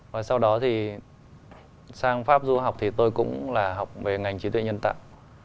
và sau đó thì sang pháp du học thì tôi cũng là học về ngành trí tuệ nhân tạo